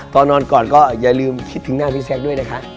ตอนนอนก่อนก็อย่าลืมคิดถึงหน้าพี่แซคด้วยนะคะ